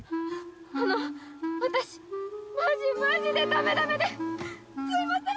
あの私マジマジでダメダメですいません！